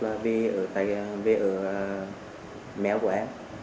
là về ở mẹo của em